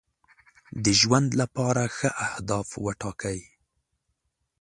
د ژوند لپاره ښه اهداف وټاکئ.